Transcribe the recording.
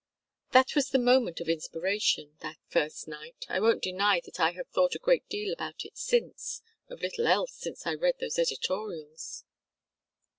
"That was the moment of inspiration that first night. I won't deny that I have thought a great deal about it since of little else since I read those editorials."